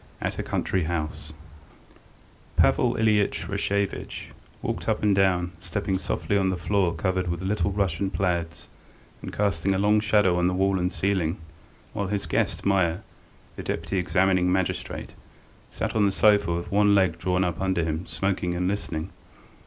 AT A COUNTRY HOUSE PAVEL ILYITCH RASHEVITCH walked up and down, stepping softly on the floor covered with little Russian plaids, and casting a long shadow on the wall and ceiling while his guest, Meier, the deputy examining magistrate, sat on the sofa with one leg drawn up under him smoking and listening.